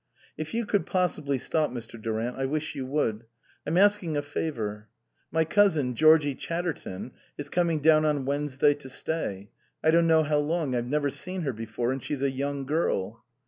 "If you could possibly stop, Mr. Durant, I wish you would. I'm asking a favour. My cousin, Georgie Chatterton, is coming down on Wednesday to stay. I don't know how long. I've never seen her before, and she's a young girl."